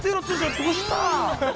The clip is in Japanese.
◆どうした！？